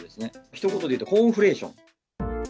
ひと言で言うと、コーンフレーション。